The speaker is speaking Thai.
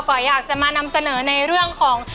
อยากจะมานำเสนอในเรื่องของ